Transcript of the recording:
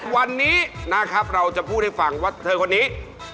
วันนี้นะครับเราจะพูดให้ฟังว่าเธอคนนี้